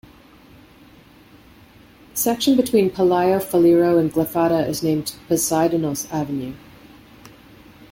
The section between Palaio Faliro and Glyfada is named Poseidonos Avenue.